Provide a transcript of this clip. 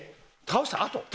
倒したあと。